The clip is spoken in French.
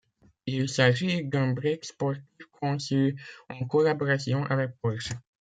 Il s'agit d'un break sportif conçu en collaboration avec Porsche.